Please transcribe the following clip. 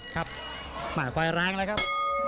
หายไฟล์แรงเลยครับ